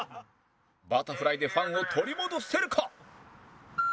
バタフライでファンを取り戻せるか？